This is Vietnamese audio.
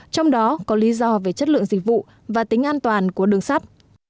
trong đó có lý do về chất lượng dịch vụ và tính an toàn của đường sắt